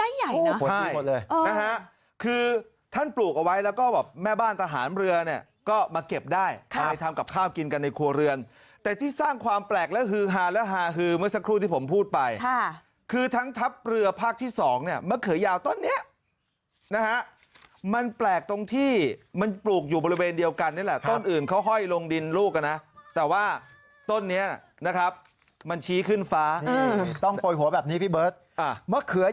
แล้วก็แบบแม่บ้านทหารเรือเนี่ยก็มาเก็บได้ทำกับข้าวกินกันในครัวเรือนแต่ที่สร้างความแปลกและฮือหาและหาฮือเมื่อสักครู่ที่ผมพูดไปคือทั้งทัพเรือภาคที่สองเนี่ยมะเขยาวต้นเนี้ยนะฮะมันแปลกตรงที่มันปลูกอยู่บริเวณเดียวกันนี่แหละต้นอื่นเขาห้อยลงดินลูกนะแต่ว่าต้นนี้นะครับมันชี้ข